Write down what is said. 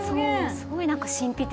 すごいなんか神秘的。